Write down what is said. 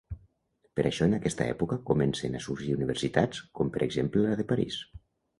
Per això, en aquesta època, comencen a sorgir universitats, com per exemple, la de París.